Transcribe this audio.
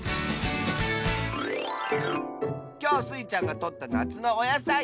きょうスイちゃんがとったなつのおやさい。